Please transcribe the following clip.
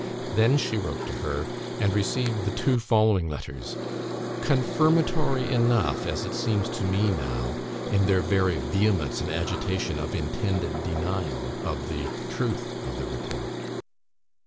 Then she wrote to her; and received the two following letters; confirmatory enough, as it seems to me now, in their very vehemence and agitation of intended denial, of the truth of the report.